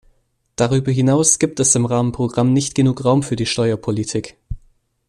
Darüber hinaus gibt es im Rahmenprogramm nicht genug Raum für die Steuerpolitik.